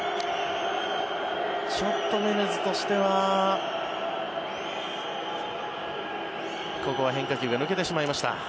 ちょっとメネズとしてはここは変化球が抜けてしまいました。